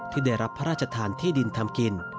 ที่ได้รับพระราชทานที่ดินทำกิน